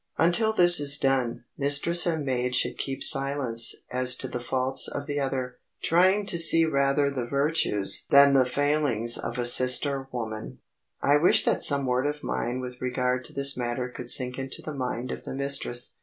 Until this is done, mistress and maid should keep silence as to the faults of the other, trying to see rather the virtues than the failings of a sister woman. I wish that some word of mine with regard to this matter could sink into the mind of the mistress.